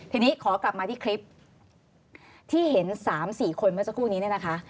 ทีนี้ขอกลับมาที่คลิปที่เห็น๓๔คนเมื่อสักครู่นี้เนี่ยนะคะ